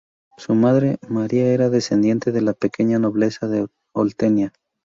Su madre, Maria, era descendiente de la pequeña nobleza de Oltenia.